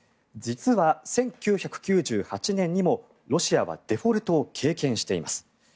実は、１９９８年にもロシアはデフォルトを経験しています。